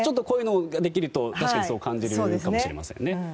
こういうのができると確かにそう感じるかもしれませんね。